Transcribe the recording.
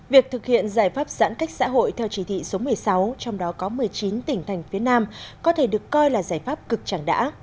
việc thực hiện giải pháp giãn cách xã hội theo chỉ thị số một mươi sáu trong đó có một mươi chín tỉnh thành phía nam có thể được coi là giải pháp cực chẳng đã